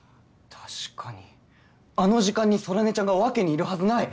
確かにあの時間に空音ちゃんが和気にいるはずない！